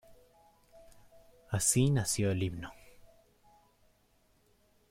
Así nació el himno.